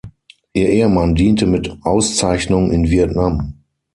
Ihr Ehemann diente mit Auszeichnung in Vietnam.